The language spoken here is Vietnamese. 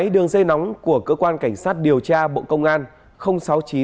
dây nóng của cơ quan cảnh sát điều tra bộ công an sáu mươi chín hai trăm ba mươi bốn năm nghìn tám trăm sáu mươi